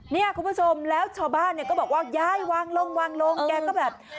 เนี่ยคุณผู้ชมแล้วชาวบ้านก็บอกว่าใหญ่วางลงแกก็แบบ